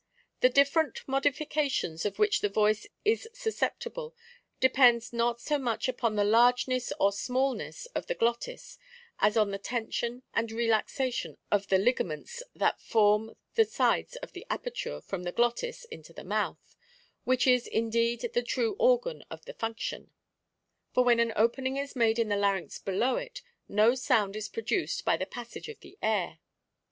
— The different modifications of which the voice is sus ceptible depends not so much upon the largeness or smallness of the glottis as on the tension and relaxation of the ligaments that form the sides of the aperture from the glottis into the mouth, which is indeed the true organ of the function ; for when an opening is made in the larynx below it no sound is produced by the passage of the air.